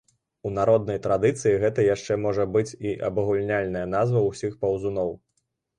У народнай традыцыі гэта яшчэ можа быць і абагульняльная назва ўсіх паўзуноў.